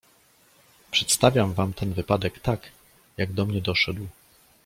"Przedstawiam wam ten wypadek tak, jak do mnie doszedł."